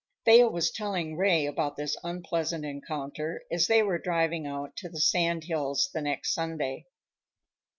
Thea was telling Ray about this unpleasant encounter as they were driving out to the sand hills the next Sunday.